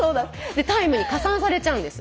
でタイムに加算されちゃうんです。